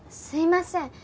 すみません。